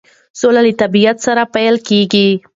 سوله له طبیعت سره پیل کیږي.